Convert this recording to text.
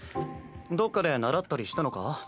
どっかで習ったりしたのか？